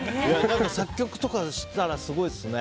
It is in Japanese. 作曲とかしたらすごいですね。